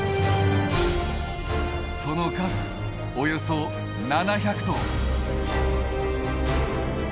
その数およそ７００頭！